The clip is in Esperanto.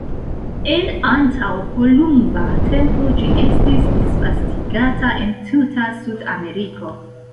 En antaŭkolumba tempo ĝi estis disvastigata en tuta Sudameriko.